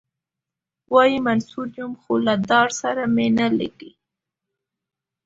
وايي منصور یم خو له دار سره مي نه لګیږي.